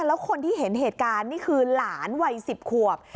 แล้วคนที่เห็นเหตุการณ์นี่คือหลานวัย๑๐ขวบ